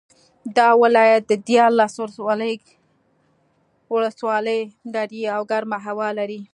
دا ولایت دیارلس ولسوالۍ لري او ګرمه هوا لري